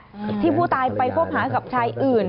นี่แหละที่ผู้ตายไปพบหากับชายอื่น